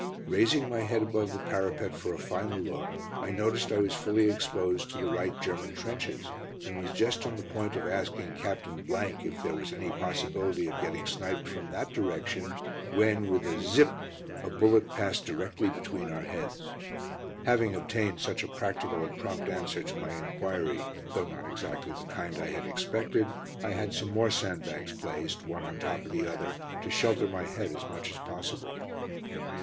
Raising my head above the parapet for a final look, I noticed I was fully exposed to the right German trenches, and was just on the point of asking Captain if there was any possibility of getting sniped from that direction when with a "zipp" a bullet passed directly between our heads. Having obtained such a practical and prompt answer to my enquiry, though not exactly the kind I had expected, I had some more sandbags placed, one on top of the other, to shelter my head as much as possible.